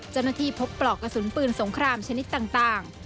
เจ้าหน้าที่พบปลอกกระสุนปืนสงครามชนิดต่าง